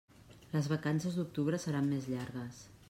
Les vacances d'octubre seran més llargues.